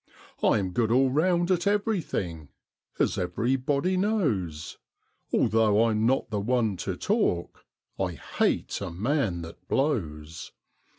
I'm good all round at everything, as everybody knows, Although I'm not the one to talk I HATE a man that blows.